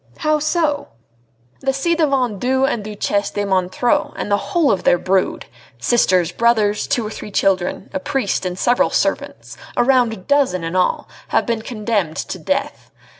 "How so?" "The ci devant Duc and Duchesse de Montreux and the whole of their brood sisters, brothers, two or three children, a priest, and several servants a round dozen in all, have been condemned to death.